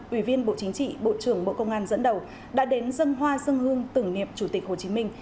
ủy viên bộ chính trị bộ trưởng bộ công an dẫn đầu đã đến dân hoa dân hương tưởng niệm chủ tịch hồ chí minh